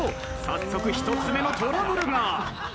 早速一つ目のトラブルが。